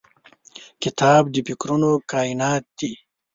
کتاب د فکرونو کائنات دی.